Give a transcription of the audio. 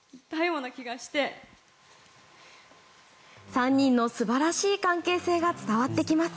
３人の素晴らしい関係性が伝わってきます。